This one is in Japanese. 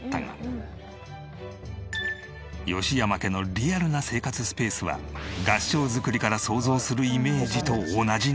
吉山家のリアルな生活スペースは合掌造りから想像するイメージと同じなのか？